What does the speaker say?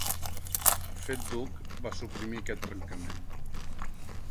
Fet duc, va suprimir aquest trencament.